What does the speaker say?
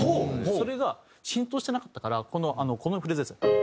それが浸透してなかったからこのフレーズです。